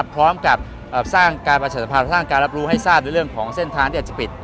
พร้อมกับสร้างการรับรู้ให้ทราบในเรื่องของเส้นทางที่อาจจะปิด